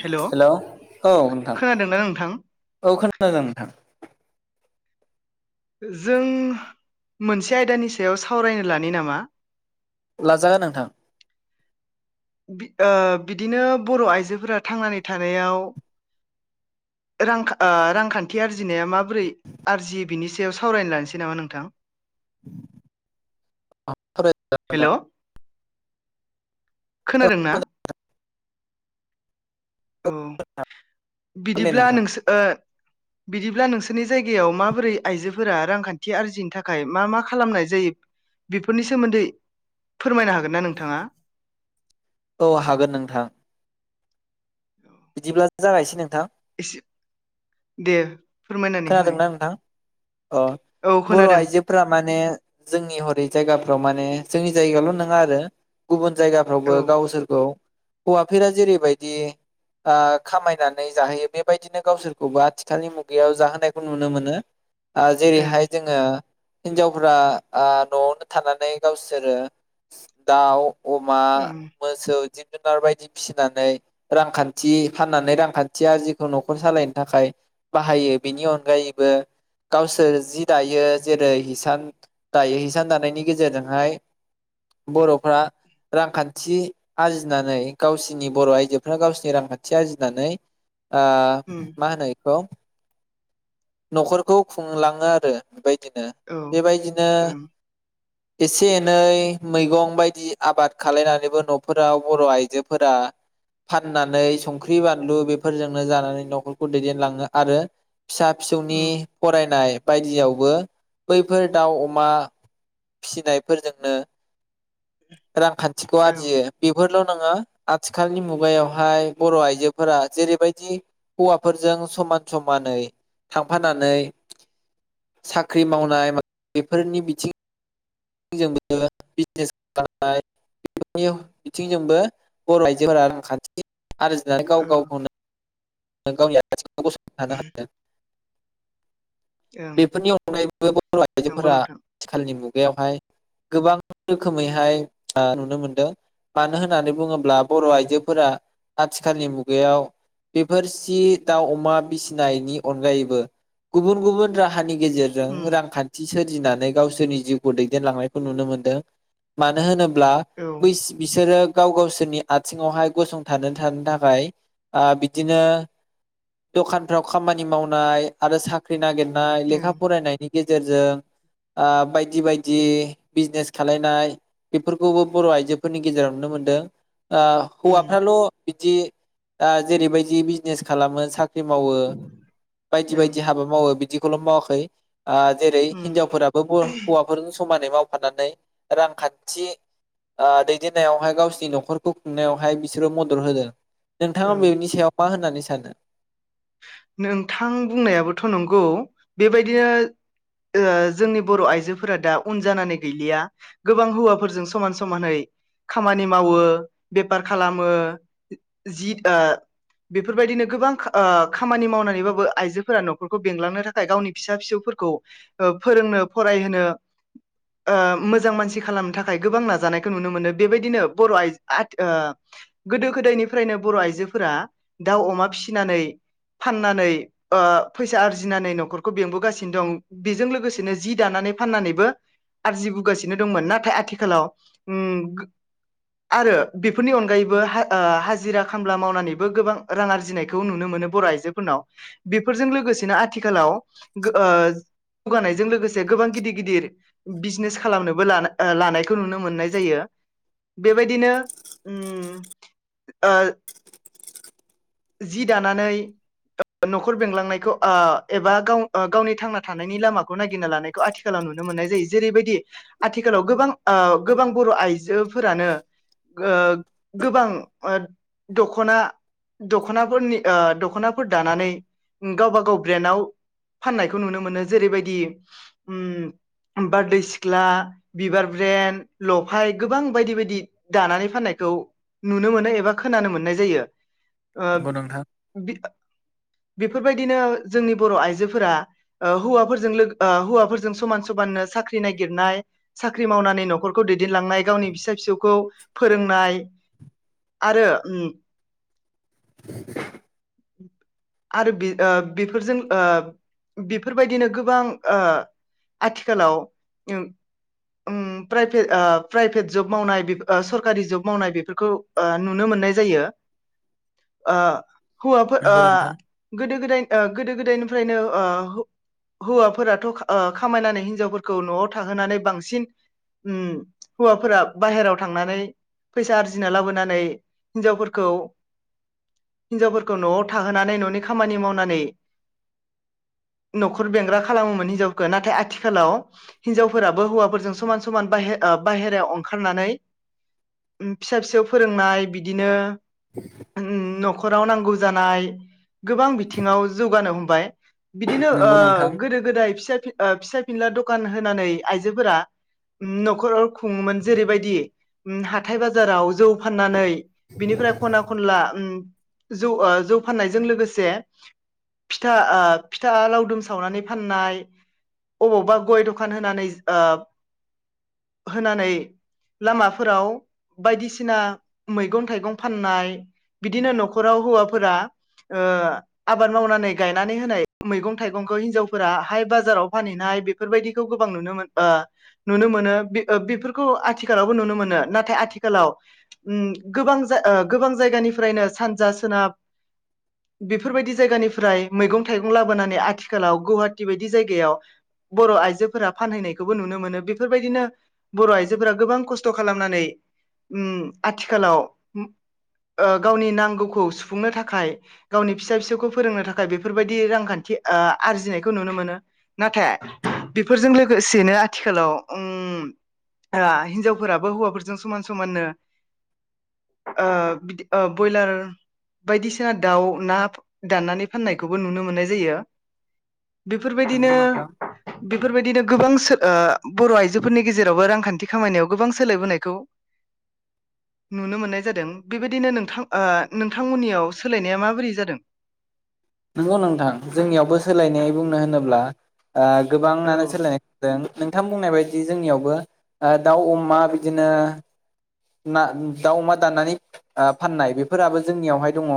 हेल' hello औ नोंथां खोनादोंना नोंथां औ खोनादों नोंथां। जों मोनसे आयदानि सायाव सावरायनो लानि नामा? लाजागोन नोंथां। ओ बिदिनो बर' आइजोफोरा थांनानै थानायाव रां रांखान्थि आरजिनाया माबोरै आरजियो बिनि सायाव सावरायनो लानोसै नामा नोंथां। सावरायजागोन हेलौ। खोनादों ना। औ दे बिदिब्ला नोंथां नोंसोर। बिदिब्ला नोंसोरनि जायगायाव माबोरै आइजोफोरा रांखान्थि आरजिनि थाखाय मा मा खालामनाय जायो बेफोरनि सोमोन्दै फोरमायनो हागोन ना नोंथाङा। औ हागोन नोंथां। बिदिब्ला जागायसै नोंथां। इसे दे। फोरमायनानै होनाय खोनादोंना नोंथां अ औ बर' खोनादों आइजोफोरा माने जोंनि हरै जायगाफ्राव माने जोंनि जायगाल' नङा आरो गुबुन। जायगाफ्रावबो औ गावसोरखौ। हौवाफोरा जेरैबायदि खामायनानै जाहोयो बेबायदिनो गावसोरखौबो आथिखालनि मुगायाव। जाहोनायखौ नुनो मोनो। ओं जेरैहाय जोङो। हिनजावफ्रा न'आवनो थानानै गावसोरो दाउ। अमा ओं मोसौ। जुनार बायदि फिसिनानै रांखान्थि फाननानै रांखान्थिया जेखौ न'खर सालायनो थाखाय बाहायो। बेनि अनगायैबो गावसोर जि दायो जेरै हिसान दायो हिसान दानायनि गेजेरजोंहाय बर'फ्रा रांखान्थि आरजिनानै गावसिनि बर' आइजोफ्रा गावसिोरनि रांखान्थि आरजिनानै। आ उम मा होनोइखौ न'खरखौ खुंलाङो आरो बेबायदि बिदिनो औ बेबायदिनो। ओं एसे एनै मैगं बायदि आबाद खालामलायनानैबो न'फोरराव बर' आइजोफोरा फाननानै संख्रि बानलु बेफोरजोंनो जानानै न'खरखौ दैदेनलाङो आरो। फिसा फिसौनि उम फरायनाय। बायदियावबो बैफोर दाउ अमा फिसिनायफोरजोंनो। रांखान्थिखौ ओं आरजियो बेफोरल' नङा आथिखालनि मुगायावहाय बर' आइजोफोरा जेरैबायदि हौवाफोरजों समान समानै थांफानानै साख्रि मावनाय मा बेफोरनि बिथिं जोंबो बिजनेस खालामनाय बिथिंजोंबो बर' आइजोफोरा रांखान्थि आरो जा औ गाव उम गावखौनो। गावनि आथिङाव। गसंना थानो हादों। ओं बेफोरनि अनगायैबो बर' नंगौ आइजोफोरा नोंथां आथिखालनि मुग मुगायावहाय गोबां रोखोमैहाय ओ नुनो मोनदों मानो होननानै बुङोब्ला बर' आइजोफोरा आथिखालनि मुगायाव बेफोर सि दाउ अमा फिसिनायनि अनगायैबो गुबुन गुबुन राहानि गेजेरजों उम रांखान्थि सोरजिनानै गावसोरनि जिउखौ दैदेनलांनायखौ नुनो मोनदों। ब्ला औ ओं बैस बिसोरो गाव गावसोरनि आथिङावहाय गसंथानो थानो थाखाय ओ बि बिदिनो दखानफ्राव खामानि मावनाय आरो साख्रि नागिर नाय उम लेखा फरायनायनि गेजेरजों ओ बायदि बायदि बिजनेस खालायनाय बेफोरखौबो बर' आइजोफोरनि गेजेराव नुनो मोनदों। ओ ओं हौवाफ्राल' बिदि ओ जेरैबायज दि बिजनेस खालामो सा ख्रि मावो बायदि बायदि हाबा मावो बिद दिखौल' मावाखै ओ जेरै उम हिनजावफोराबो ब हौवाफोरजों समान नै मावफानानै रांखान्थि ओ दैदेननायावहाय गावसिनि न'खरखौ खुंनायावहाय बिसोरो मदद होदों। नोंथाङा औ बे बेनि सायाव मा होननानै सानो? नोंथां बुंनायाबोथ' नंगौ बेबायदिनो ओ जोंनि बर' आइजोफोरा दा उन जानानै गैलिया गोबां हौवाफोरजों समान समानै खामानि मावो बेपार खालामो जि ओ बेफोरबायदिनो गोबां खा ओ खामानि मावनानैबाबो आइजोफोरा न'खरखौ बेंलांनो थाखाय गावनि फिसा फिसौफोरखौ ओ फोरोंनो फरायहोनो ओ मोजां मानसि खालामनो थाखाय गोबां नाजानायखौ नुनो मोनो बेबायदिनो बर' आइज आथ ओ गोदो गोदायनिफ्रायनो बर' आइजोफोरा दाउ अमा फिसिनानै फाननानै ओ फैसा आरजिनानै न'खरखौ बेंबोगासिनो दं बेजों लोगोसेनो जि दानानै फाननानैबो आरजिबोगासिनो दंमोन नाथाय आथिखालाव ओं आरो बेफोरनि अनगायैबो ओ हाजिरा खामला मावनानैबो गोबां रां आरजिनायखौ नुनो मोनो। बर' आइजोफोरनाव बेफोरजों लोगोसेनो आथिखालाव गों ओ जौगानायजों लोगोसे गोबां गिदिर गिदिर बिजनेस खालामनोबो ला ओ लानायखौ नुनो मोननाय जायो। बेबायदिनो ओं ओ जि दानानै न'खर बेंलांनायखौओ एबा गाव ओ गावनि थांना थानायनि लामाखौ नागिरना लानायखौ आथिखालाव नुनो मोननाय जायो जेरैबायदि आथिखालाव गोबां ओ गोबां बर' आइजोफोरानो गो गोबां ओ दख'ना दख'नाफोरनि ओ द दख'नाफोर दानानै ओ गावबा गाव ब्रेनाव फाननायखौ नुनो मोनो जेरैबायदि उम बारदै सिख्ला बिबार ब्रेन लफाय गोबां बायदि बायदि दानानै फाननायखौ नुनो मोनो एबा खोनानो मोननाय जायो। ओ नंगौ नोंथां। बेफोरबायदिनो जोंनि बर' आइजोफोरा ओ हौवाफोरजों लोगो ओ हौवाफोरजों समान समाननो साख्रि नागिरनाय साख्रि मावनानै न'खरखौ दैदेनलांनाय गावनि फिसा फिसौखौ फोरोंनाय आरो उम आरो बे ओ बेफोरजों ओ बेफोरबायदिनो गोबां ओ आथिखालाव उम उम प्राइभेट ओ प्राइभेट जब मावनाय ओ सरकारि जब मावनाय बेफोरखौ ओ नुनो मोननाय जायो ओ हौवाफो ओ गोदो गोदाय ओ गोदो गोदायनिफ्रायनो ओ हौवाफोराथ' ओ खामायनानै हिनजावफोरखौ न'आव थाहोनानै बांसिन उम हौवाफोरा बाहेराव थांनानै फैसा आरजिना लाबोनानै हिनजावफोरखौ हिन्जावफोर खो न'आव थाहोनानै न'नि खामानि मावनानै न'खर बेंग्रा खालामोमोन हिनजावखौ नाथाय आथिखालाव हिनजावफोराबो हौवाफोरजों समान समान बाहे ओ बाहेरायाव ओंखारनानै उम फिसा फिसौ फोरोंनाय बिदिनो उम न'ख खराव नांगौ जानाय गोबां बिथिङाव जौगानो हमबाय। बिदिनो ओ नंगौ नोंथां गोदो गोदाय फिसा ओ फिसाय फिनला दखान होन नानै आइजोफोरा न'खर खुङोमोन जेरैबायदि उम हाथाय बाजाराव जौ फाननानै बिनिफ्राय खना खनला उम जौ ओ जौ फाननायजों लोगोसे फिथा ओ फिथा लावदुम सावनानै फाननाय अबावबा गय दखान होनानै ओ होनानै लामाफोराव बायदिसिना मैगं थाइगं फाननाय बिदिनो न'ख खराव हौवाफोरा ओ आबाद मावनानै गायनानै होनाय मैगं थाइगंखौ हिन्जावफोरा हाय बाजाराव फानहैनाय बेफोरबायदिखौ गोबां नुनो मोन ओ नुनो मोनो बेफ ओ बेफोरखौ आथिखालावबो नुनो मोनो नाथाय आथिखालाव उम गोबां जा ओ गोबां जायगानिफ्रायनो सान जा सोनाब, बेफोरबायदि जायगानिफ्राय मैगं थाइगं लाबोनानै आथिखालाव गुवाहाटि बायदि जायगायाव बर आइजोफोरा फानहैनायखौबो नुनो मोनो। बेफोरबायदिनो बर आइजोफोरा गोबां खस्थ खालामनानै उम आथिखालाव, ओ गावनि नांगौ खौ सुफुंनो थाखाय, गावनि फिसा फिसौखौ फोरोंनो थाखाय बेफोरबायदि रांखान्थि ओ आरजिनायखौ नुनो मोनो। नाथाय बेफोरजों लोगोसेनो आथिखालाव ओम हिनजावफोराबो हौवाफोरजों समान समाननो ओ बिदि बयलार बायदिसिना दाउ ना दाननानै फाननायखौबो नुनो मोननाय जायो। बेफोरबायदिनो नंगौ नोंथां बेफोरबायदिनो गोबां सो ओ बर आइजोफोरनि गेजेरावबो रांखान्थि खामानियाव गोबां सोलायबोनायखौ नुनो मोननाय जादों। बेबायदिनो नोंथां ओ नोंथांमोननियाव सोलायनाया माबोरै जादों? नंगौ नोंथां जोंनियावबो सोलायनाय बुंनो होनोब्ला। ओ औ गोबाङानो सोलायनाय दों। नोंथां बुंनाय बायदि जोंनियावबो ओ दाउ अमा बिदिनो। ना दाउ अमा दाननानै ओ फाननाय बेफोराबो जोंनियावहाय दंङ।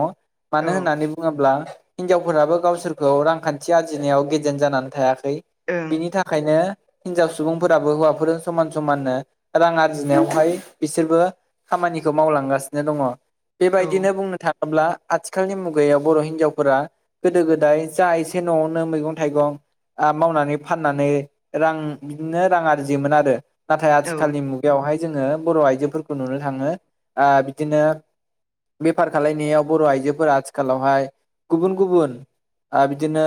औ मानो होननानै बुङोब्ला? हिनजावफोराबो गावसोरखौ रांखान्थि आरजिनायाव गेजेन जानानै थायाख खै ओं बिनि थाखायनो हिनजाव सुबुंफोराबो हौवाफोर समान समाननो रां आरजिनायावहाय। बिसोरबो खामानिखौ मावलांगासिनो दंङ। बेबायदिनो औ बुंनो थांङ ब्ला आथिखालनि मुगायाव बर हिनजावफोरा, गोदो गोदाय जा एसे नआवनो मैगं थाइगं ओ मावनानै फाननानै रां बिदिनो रां आरजियोमोन आरो। नाथाय औ आथिखालनि मुगायावहाय जोङो बर आइजो जोफोरखौ नुनो‌ थांङो, ओ‌ बिदिनो बेफार खालामनायाव बर आइजोफोरा आथिखालावहाय। गुबुन गुबुन ओ बिदिनो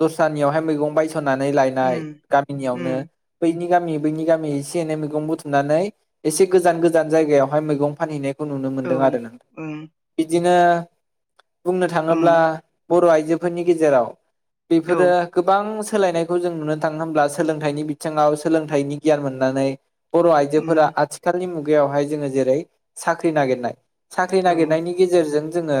दस्रानियावहाय मैगं बायस होनानै लायनाय, उम गामिनियावनो उम बैनि गामि बैनि गामि एसे एनै मैगं बुथुमनानै। एसे गोजान गोजान जायगायावहाय मैगं फानहैनाय। नुनो औ मोनदों आरो नों। ओं बिदि नो। बुंनो ओं थाङोब्ला बर' आइजो। आयजोफोरनि गेजेराव। औ बेफोरो गोबां सोलायनायखौ जों नुनो थाङो होनब्ला, सोलोंथाइनि बिथिङाव सोलोंथाइनि गियान मोननानै। बर' आइजोफोरा उम आथि नि मुगायावहाय जोङो जेरै साख्रि नागिरनाय। साख्रि औ नागिरनायनि गेजेरजों जोङो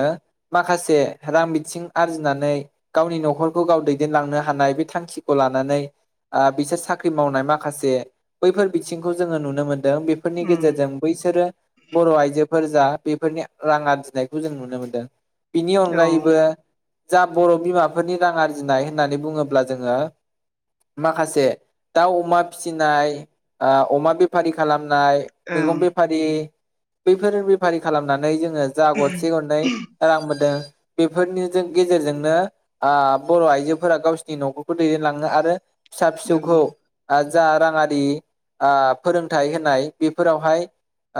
माखासे रां बिथिं आरजिनानै गावनि न'खरखौ गाव दैदेनलांनो हानाय बे थांखिखौ लानानै। बिसोर साख्रि मावनाय माखासे बैफोर बिथिंखौ जोङो नुनो मोनदों। फोरनि उम गेजेरजों बैसोरो बर' आइजो फोर जा बेफोरनि रां आरजिनायखौ जों नुनो मोनदों। बिनि औ अनगायैबो ओं जा बर' बिमाफोरनि रां आरजिनाय होननानै बुङोब्ला जोङो माखासे दाउ अमा फिसिनाय ओ अमा बेफारि खालामनाय नाय मैगं बेफारि बैफोर बेफारि खालामनानै जों जोङो जा गरसे गरनै रांबोदों बेफोरनि गेजेरजोंनो आ बर' आइजोफोरा गावसोरनि न'खरखौ दैदेनलाङो आरो फिसा औ फिसौखौ जा राङारि ओ फोरोंथाइ होन होनाय बेफोरावहाय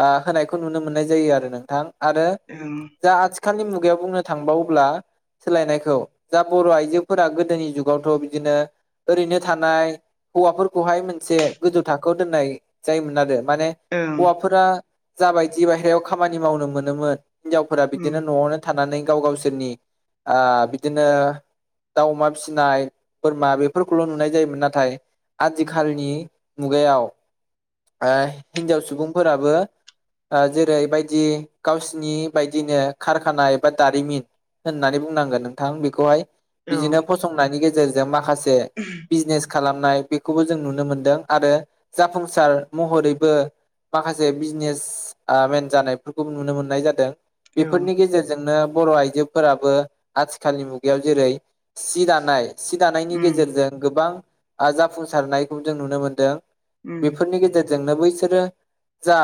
ओ होनायखौ नुनो मोननाय जायो आरो नोंथां आरो ओं आथिख आथिखालनि मुगायाव बुंनो थांबावला सोलायनायखौ दा बर' आइजोफोरा गोदोनि जुगावथ' बिदिनो ओरैनो थानाय हौवाफोरखौहाय मोनसे गोजौ थाखोआव दोननाय जायोमोन आरो माने ओं हौवाफोरा जाबायदि बायेरायाव खामानि मावनो मोनोमोन हिनजावफोरा उम बिदिनो न'आवनो थानानै गाव गावसोरनि ओ बिदिनो दाव अमा फिसिनाय बोरमा बेफोरखौल' नुनाय जायोमोन नाथाय आथिखालनि मुगायाव ओ हिनजाव सुबुंफोराबो जेरैबायदि ओ गावसिनि बायदिनो कारखाना एबा दारिमिन होननानै बुंनांगोन नोंथां बेखौहाय औ बिदिनो फसंनायनि गेजेरजों गेजेरजों माखासे बिजनेस खालामनाय बेखौबो जों नुनो मोनदों आरो जाफुंसार महरैबो माखासे बिजनेस मेन जानायफोरखौ नुनो मोननाय जादों औ बेफोरनि गेजेरजोंनो बर' आइजोफोराबो आथिखालनि मुगायाव जेरै सि दानाय सि दानायनि उम गेजेरजों गोबां ओ जाफुंसारनायखौ जों नुनो मोनदों। उम बेफोरनि गेजेरजों। जोंनो बैसोरो जा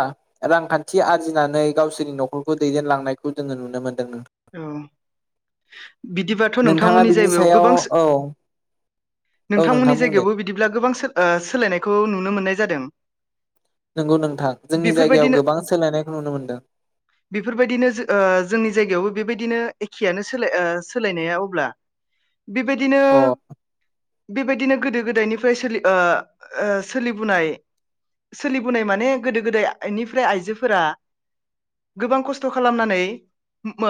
रांखान्थि आरजिनानै गावसोरनि न'खरखौ दैदेनलांनायखौ जोङो नुनो मोनो। औ बिदिबाथ' नोंथाङा नोंथांमोननि बिनि जायगायाव सायाव गोबां औ औ नोंथां नोंथांमोननि बुंदो जायगायावबो बिदिब्ला गोबां ओ सोलायनायखौ नुनो मोननाय जादों। नंगौ नोंथां जोंनि जायगायाव गोबां सोलायनायखौ नुनो मोनदों बेफोरबायदिनो-बेफोरबायदिनो ओ जोंनि जायगायावबो। बेबायदिनो एखेआनो ओ सोलाय सोलायनाया अब्ला बेबायदिनो। अ बेबायदिनो गोदो गोदायनिफ्राय सोलि ओ-ओ सोलिबोनाय-सोलिबोनाय माने गोदो गोदायनिफ्राय आइजोफोरा गोबां खस्थ' खालामनानै ओ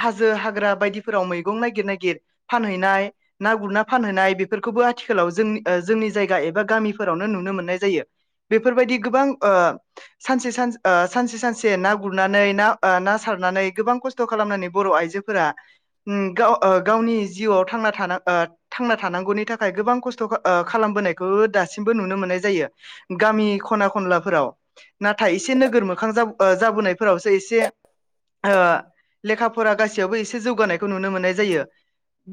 हाजो हाग्रा बायदिफोराव मैगं नायागिर नागिर फानहैनाय ना गुरना फानहैनाय बेफोरखौबो आथिखालाव जों जोंनि जायगा एबा गामिफोरावनो नुनो मोननाय जायो बेफोरबायदि गोबां ओ सानसे सान ओ सानसे सानसेना गुरनानै ना ना सारनानै गोबां खस्थ' खालामनानै बर' आइजोफोरा उम ओ गाव गावनि जिउआव थांना ओ थानांगौनि थाखाय गोबां खस्थ'ओ खालामबोनायखौ दासिमबो नुनो मोननाय जायो गामि खना खनलाफोराव नाथाय एसे नोगोर मोखां ओ जाबोनायफोरावसो एसे ओ लेखा फरा गासैयावबो एसे जौगानायखौ नुनो मोननाय जायो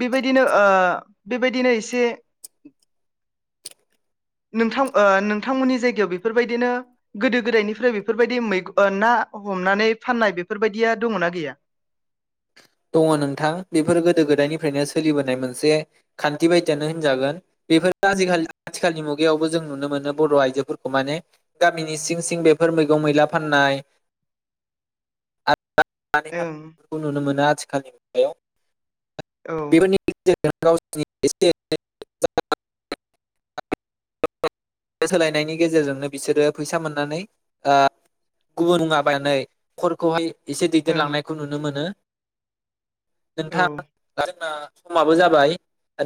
बेबायदिनो ओ बेबायदिनो एसे नोंथां ओ नोंथांमोननि जायगायाव बेफोरबायदिनो गोदो गोदायनिफ्राय बेफोरबायदि ओ मै ना हमनानै फाननाय बेफोरबायदि बिदिया दङना गैया। दङ नोंथां बेफोर गोदो गोदायनिफ्रायनो सोलिबोनाय मोनसे खान्थि बायदियानो होनजागोन बेफोरो आजिखालि आथिखालनि मुगायावबो जों नुनो मोनो बर' आइजोफोरखौ माने गामिनि सिं-सिं बेफोर मैगं मैला फाननाय आरो ओं। मोना आथिखालनि मुगायाव। औ। [unintelligible] [unintelligible] गावसिनिसे सोलायनायनि गेजेरजोंनो बिसोरो फैसा मोननानै ओ- गुबुन नुङाबानै खरखौहाय। एसे ओं दैदेनलांनायखौ नुनो। मोनो। औ नोंथां [unintelligible] जोंना। समाबो जाबाय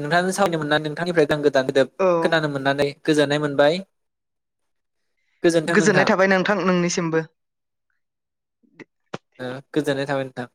नोंथांजों सावनो मोननानै नोंथांनिफ्राय गांगोन। दानदोब औ खोनानो मोननानै। गोजोननाय मोनबाय। गोजोननाय थाबाय नोंथां नोंनिसिमबो। ओ- गोजोननाय थाबाय नोंथां।